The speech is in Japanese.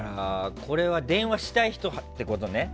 これは電話したい人ってことね。